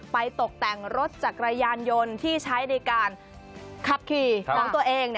ตกแต่งรถจักรยานยนต์ที่ใช้ในการขับขี่ของตัวเอง